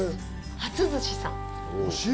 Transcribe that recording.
初寿司さん。